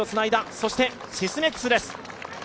そしてシスメックスです。